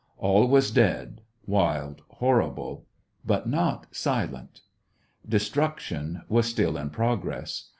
All was dead, wild, horrible, — but not silent. Destruction was still in progress.